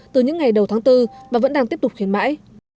từ những ngày đầu tháng bốn và vẫn đang tiếp tục khiến mãi